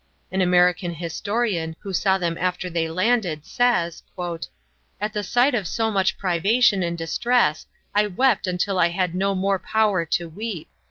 An American historian, who saw them after they landed, says: "At the sight of so much privation and distress I wept until I had no more power to weep.